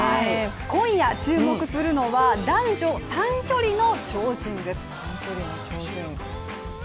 今夜注目するのは男女短距離の超人です。